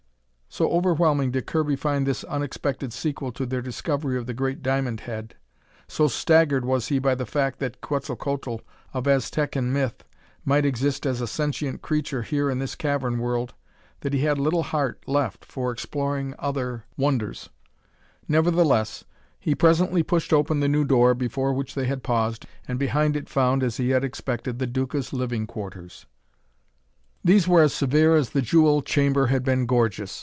So overwhelming did Kirby find this unexpected sequel to their discovery of the great diamond head, so staggered was he by the fact that Quetzalcoatl, of Aztecan myth, might exist as a sentient creature here in this cavern world, that he had little heart left for exploring other wonders. Nevertheless, he presently pushed open the new door before which they had paused, and behind it found, as he had expected, the Duca's living quarters. These were as severe as the jewel chamber had been gorgeous.